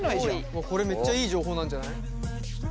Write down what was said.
これめっちゃいい情報なんじゃない？